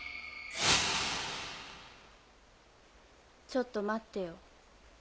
ちょっと待ってよ。